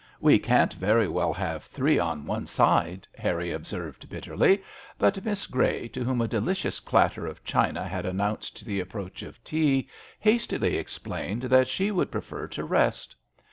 "We can't very well have three on one side," Harry observed, bitterly ; but Miss Grey, to whom a delicious clatter of china had announced the approach of tea, hastily explained that she would prefer to rest.